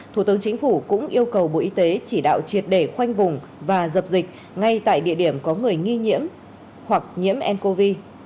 thủ tướng chính phủ cũng yêu cầu bộ y tế chỉ đạo triệt để khoanh vùng và dập dịch ngay tại địa điểm có người nghi nhiễm hoặc nhiễm ncov